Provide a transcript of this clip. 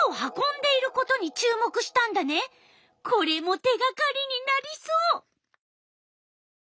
これも手がかりになりそう！